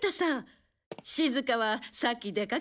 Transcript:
しずかはさっき出かけちゃったのよ。